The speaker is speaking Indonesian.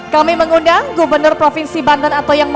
kami mengundang gubernur provinsi banten atau yang